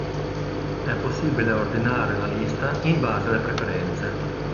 È possibile ordinare la lista in base alle preferenze.